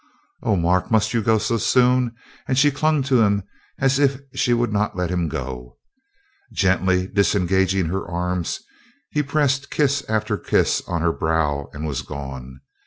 "Oh, Mark, must you go so soon?" And she clung to him as if she would not let him go. Gently disengaging her arms, he pressed kiss after kiss on her brow and was gone.